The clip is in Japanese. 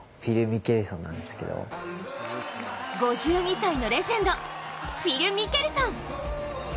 ５２歳のレジェンドフィル・ミケルソン。